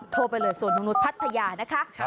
โทรไปเลยสวนลงนุษย์พัทยานะคะ๐๘๑๗๘๑๓๘๘๔